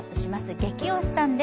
「ゲキ推しさん」です。